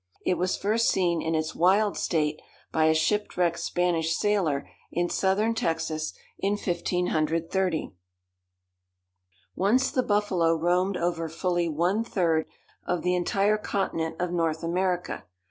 It was first seen in its wild state by a shipwrecked Spanish sailor in southern Texas in 1530. Once the buffalo roamed over fully one third of the entire continent of North America.